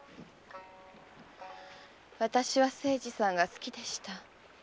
私は清次さんが好きでした。